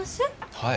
はい。